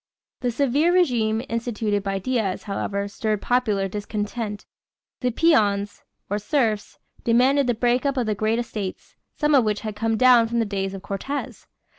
The severe régime instituted by Diaz, however, stirred popular discontent. The peons, or serfs, demanded the break up of the great estates, some of which had come down from the days of Cortez.